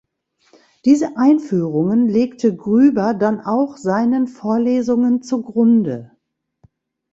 Diese "Einführungen" legte Grueber dann auch seinen Vorlesungen zugrunde.